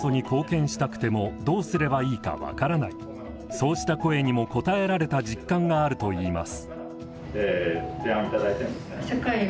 そうした声にも応えられた実感があるといいます。